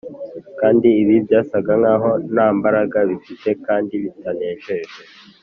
kandi ibi byasaga nk’aho nta mbaraga bifite kandi bitanejeje